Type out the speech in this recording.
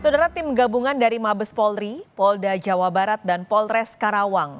saudara tim gabungan dari mabes polri polda jawa barat dan polres karawang